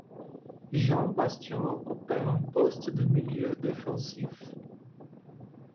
Jean Bastien occupait un poste de milieu défensif.